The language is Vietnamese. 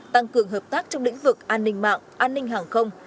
tăng cường hợp tác trong lĩnh vực an ninh mạng an ninh hàng không